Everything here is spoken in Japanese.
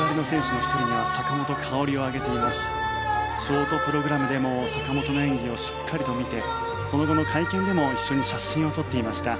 ショートプログラムでも坂本の演技をしっかりと見てその後の会見でも一緒に写真を撮っていました。